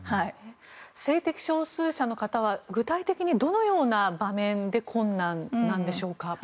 性的少数者の方は具体的にどのような場面で困難なんでしょうか。